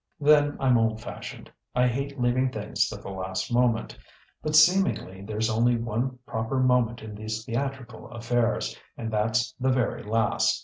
Then I'm old fashioned. I hate leaving things to the last moment; but seemingly there's only one proper moment in these theatrical affairs, and that's the very last.